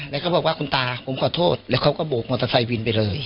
แล้วก็บอกว่าคุณตาผมขอโทษแล้วเขาก็โบกมอเตอร์ไซค์วินไปเลย